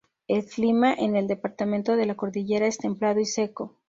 El clima en el departamento de la Cordillera es templado y seco.